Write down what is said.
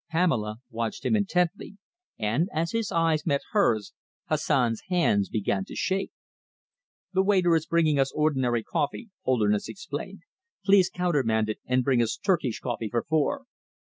Pamela watched him intently, and, as his eyes met hers, Hassan's hands began to shake. "The waiter is bringing us ordinary coffee," Holderness explained. "Please countermand it and bring us Turkish coffee for four."